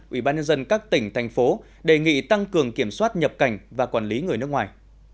ủy ban nhân dân các tỉnh thành phố đề nghị tăng cường kiểm soát nhập cảnh và quản lý người nước ngoài